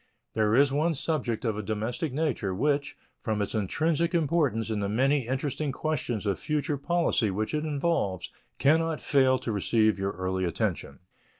There is one subject of a domestic nature which, from its intrinsic importance and the many interesting questions of future policy which it involves, can not fail to receive your early attention.